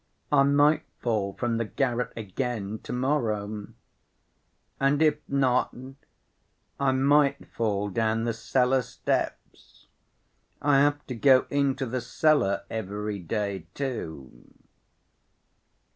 I might fall from the garret again to‐morrow. And, if not, I might fall down the cellar steps. I have to go into the cellar every day, too."